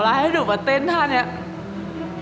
แล้วให้หนูมาเต้นตั้งแบบนี้